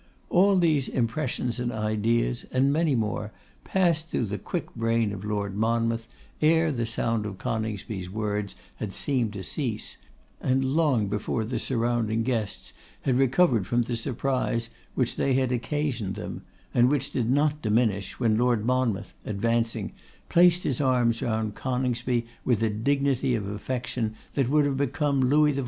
All these impressions and ideas, and many more, passed through the quick brain of Lord Monmouth ere the sound of Coningsby's words had seemed to cease, and long before the surrounding guests had recovered from the surprise which they had occasioned them, and which did not diminish, when Lord Monmouth, advancing, placed his arms round Coningsby with a dignity of affection that would have become Louis XIV.